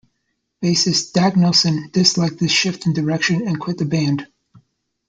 Bassist Dag Nilsen disliked this shift in direction, and quit the band.